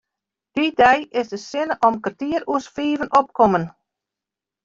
Dy dei is de sinne om kertier oer fiven opkommen.